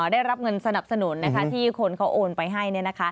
ได้รับเงินสนับสนุนที่คนเขาโอนไปให้